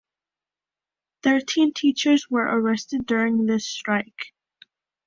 Thirteen teachers were arrested during this strike.